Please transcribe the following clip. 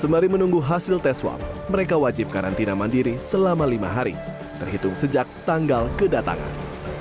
sembari menunggu hasil tes swab mereka wajib karantina mandiri selama lima hari terhitung sejak tanggal kedatangan